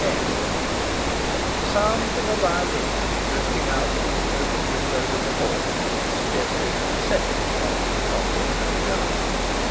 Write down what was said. X Sounds of a violin, drifting out through the open windows of the Hall, suggested that the second part of the concert had begun.